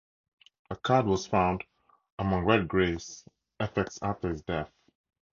A card was found among Redgrave's effects after his death.